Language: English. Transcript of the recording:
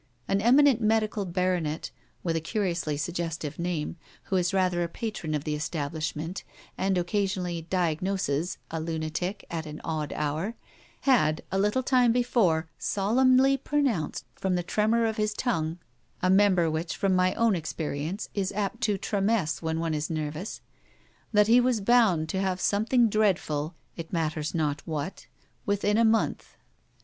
An eminent medical baronet, with a curiously suggestive name, who is rather a patron of the establishment, and occasionally 'diagnoses' a lunatic at an odd hour, had, a little time before, solemnly pronounced from the tremor of his tongue a member which, from my own experience, is apt to tremesce when one is nervous that he was bound to have something dreadful it matters not what within a month.